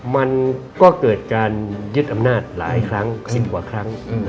มันก็เกิดการยึดอำนาจหลายครั้ง๑๐กว่าครั้ง